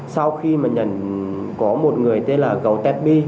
sau khi mà nhận có một người tên là gầu tết bi